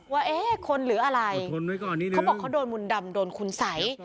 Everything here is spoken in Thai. ว่าเอ๊ะคนหรืออะไรเขาบอกเขาโดนมนต์ดำโดนคุณสัย